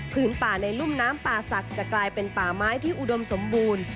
ป่าในรุ่มน้ำป่าศักดิ์จะกลายเป็นป่าไม้ที่อุดมสมบูรณ์